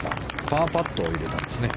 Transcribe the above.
パーパットを入れたんですね。